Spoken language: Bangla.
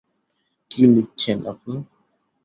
কী লিখছেন আপনি?